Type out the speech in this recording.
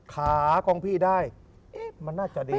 ขาของพี่ได้มันน่าจะดี